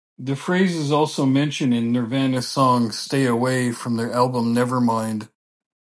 The phrase is also mentioned in Nirvana's song "Stay Away" from their album "Nevermind".